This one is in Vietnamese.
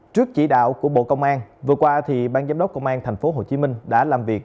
trước chỉ đạo của bộ công an vừa qua bang giám đốc công an tp hcm đã làm việc